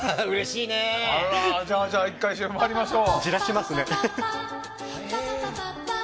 じゃあ、１回ＣＭ入りましょう。